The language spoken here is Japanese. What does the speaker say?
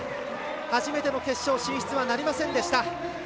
初めての決勝進出はなりませんでした。